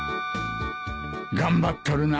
頑張っとるな。